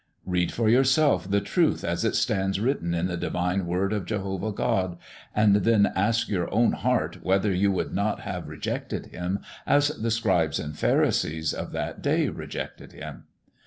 Read for yourself the truth as it stands written in the Divine Word of Jehovah God, and then ask your own heart whether you would not have rejected Him as the scribes and pharisees of that day rejected Him.